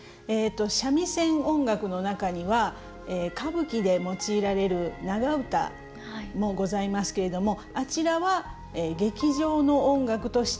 三味線音楽の中には歌舞伎で用いられる長唄もございますけれどもあちらは劇場の音楽として発展したものでございます。